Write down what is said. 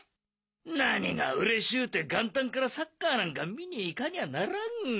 何がうれしゅうて元旦からサッカーなんか観に行かにゃならん。